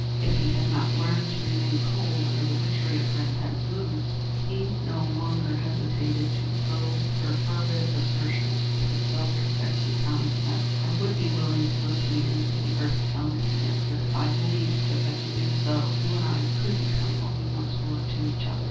If he had not learned to remain cold under the witchery of her intense moods, he no longer hesitated to probe her fervid assertions with his self respecting common sense. "I would he willing to go to the ends of the earth, Selma," he answered, "if I believed that by so doing you and I could become what we once were to each other.